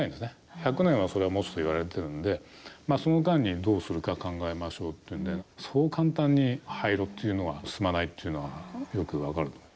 １００年は、それはもつといわれてるんでその間にどうするか考えましょうっていうんでそう簡単に廃炉っていうのは進まないっていうのはよく分かると思う。